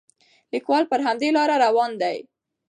لیکوال پر همدې لاره روان دی.